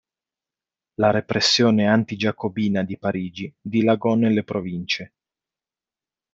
La repressione anti-giacobina di Parigi dilagò nelle province.